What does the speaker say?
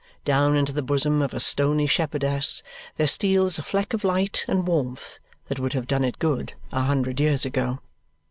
Down into the bosom of a stony shepherdess there steals a fleck of light and warmth that would have done it good a hundred years ago.